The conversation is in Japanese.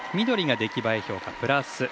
緑が出来栄え評価、プラス。